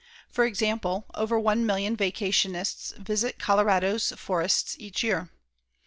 For example, over 1,000,000 vacationists visit Colorado's forests each year.